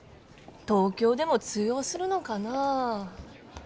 東京でも通用するのかなあ。